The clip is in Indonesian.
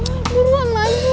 aduh gue mau maju